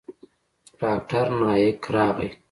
ډاکتر نايک راغى.